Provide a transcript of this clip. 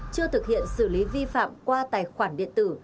chưa thực hiện xử lý vi phạm qua tài khoản điện tử